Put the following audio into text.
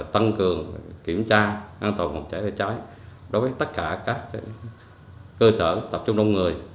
tăng cường kiểm tra an toàn phòng cháy cháy đối với tất cả các cơ sở tập trung đông người